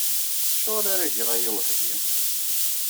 Acuɣer ara geɣ aya weḥd-i?